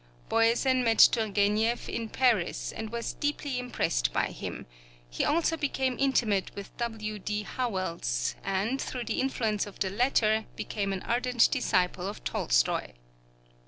Boyesen met Turgénieff in Paris, and was deeply impressed by him; he also became intimate with W.D. Howells, and through the influence of the latter became an ardent disciple of Tolstoy.